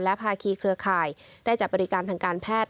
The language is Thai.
และภาคีเครือข่ายได้จัดบริการทางการแพทย์